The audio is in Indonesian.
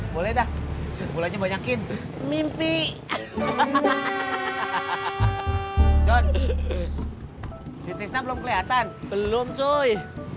boleh dah mulanya banyakin mimpi hahaha john sitisnya belum kelihatan belum cuy